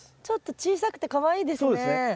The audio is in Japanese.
ちょっと小さくてかわいいですね。